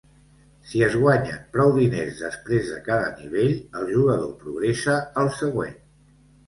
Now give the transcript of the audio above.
Si es guanyen prou diners després de cada nivell, el jugador progressa al següent.